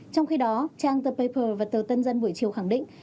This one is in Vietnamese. trong khi đó trang the paper và tờ tân dân buổi chiều khẳng định